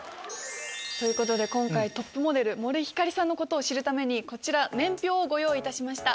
ということで今回トップモデル森星さんのことを知るためにこちら年表をご用意しました。